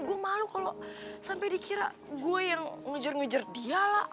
gue malu kalo sampe dikira gue yang ngejer ngejer dia lah